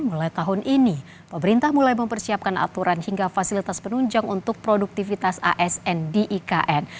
mulai tahun ini pemerintah mulai mempersiapkan aturan hingga fasilitas penunjang untuk produktivitas asn di ikn